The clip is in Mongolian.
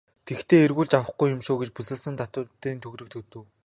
Тэгэхдээ эргүүлж авахгүй юм шүү гээд бүсэлсэн тавьтын төгрөг өгөв.